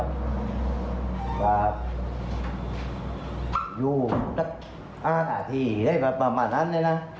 บากอยู่อาธารณาที่ละเพราะประมาณนั้นเลยนะ